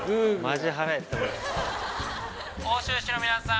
奥州市の皆さん